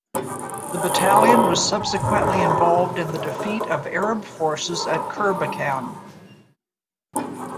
The battalion was subsequently involved in the defeat of Arab forces at Kirbekan.